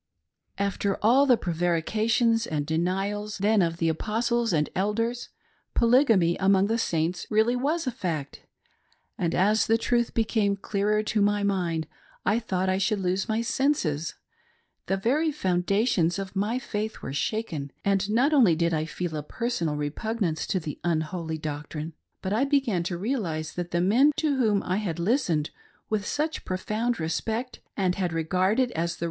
After all the prevarications and denials then of the Apostles and Elders, Polygamy among the Saints was really a fact. As the truth became clearer to my mind, I thought I should lose my senses ;— the very foundations of my faith were shaken, and not only did I feel a personal repugnance to the unholy doctrine, but I began to realise that the men to whom I had, listened with such profound respect and had regarded as the.